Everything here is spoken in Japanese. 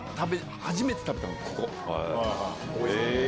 初めて食べたのここ。